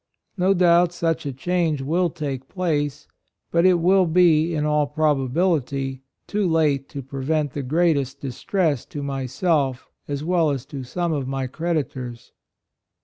No doubt such a change will take place, but it will be, in all AND DIFFICULTIES. 77 probability, too late to prevent the greatest distress to myself as well as to some of my creditors."